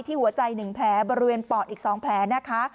ที่หัวใจหนึ่งแผลบริเวณปอดอีกสองแผลนะคะ